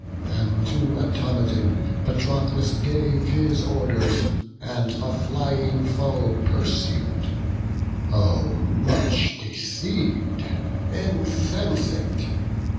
Then to Automedon Patroclus gave His orders, and the flying foe pursued. Oh much deceiv'd, insensate!